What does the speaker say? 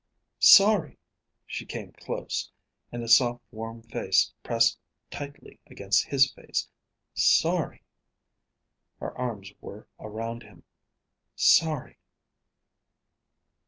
"Sorry!" She came close, and a soft warm face pressed tightly against his face. "Sorry!" Her arms were around him. "Sorry!"